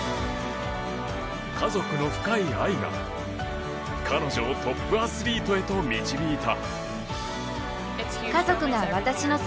家族の深い愛が彼女をトップアスリートへと導いた。